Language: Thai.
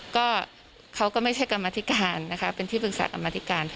ก็เขาก็ไม่ใช่กรรมธิการนะคะเป็นที่ปรึกษากรรมธิการ